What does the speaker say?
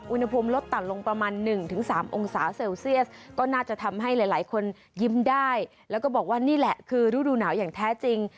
อุณหภูมิลดต่ำลงประมาณ๑๓องศาเซลเซียสก็น่าจะทำให้หลายคนยิ้มได้แล้วก็บอกว่านี่แหละคือฤดูหนาวอย่างแท้จริง